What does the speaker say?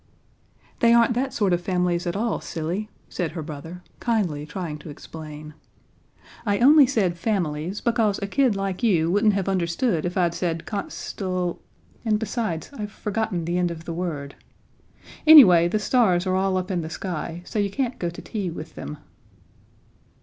"They aren't that sort of families at all, Silly," said her brother, kindly trying to explain. "I only said 'families' because a kid like you wouldn't have understood if I'd said constel ... and, besides, I've forgotten the end of the word. Anyway, the stars are all up in the sky, so you can't go to tea with them."